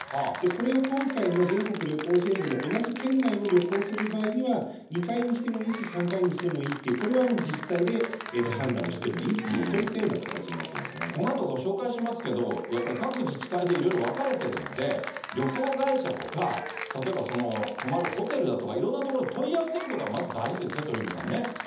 これを今回の全国旅行支援でも同じ県内を旅行する場合には、２回にしてもいいし、３回にしてもいいという、これは自治体で判断をしてもいいという、そういったような形になこのあとご紹介しますけど、やっぱり各自治体でいろいろ分かれているので、旅行会社とか、例えば泊まるホテルだとか、いろんなところに問い合わせることは、そうですね。